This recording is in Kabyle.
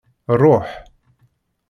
Ṛuḥ.